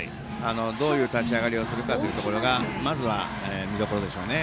どういう立ち上がりをするかというところがまずは見どころでしょうね。